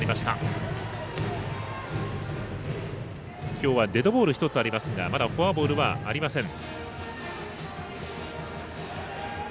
今日はデッドボール１つありますがまだフォアボールはありません。